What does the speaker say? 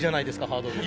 ハードル。